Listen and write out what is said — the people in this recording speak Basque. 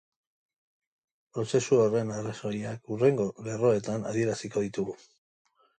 Prozesu horren arrazoiak hurrengo lerroetan adieraziko ditugu.